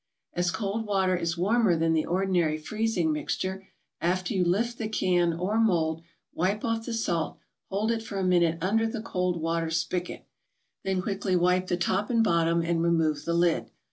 As cold water is warmer than the ordinary freezing mixture, after you lift the can or mold, wipe off the salt, hold it for a minute under the cold water spigot, then quickly wipe the top and bottom and remove the lid.